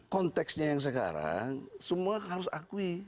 konteksnya yang sekarang semua harus akui